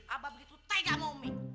abah begitu tega sama umi